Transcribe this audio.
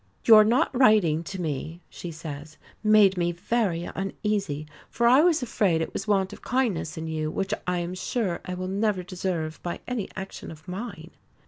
"Your not writing to me," she says, "made me very uneasy, for I was afraid it was want of kindness in you, which I am sure I will never deserve by any action of mine."